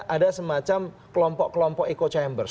ada semacam kelompok kelompok echo chambers